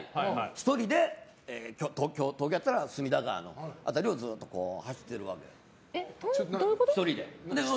１人で東京やったら隅田川の辺りをずっと走ってるわけ、１人で。